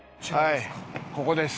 ここです。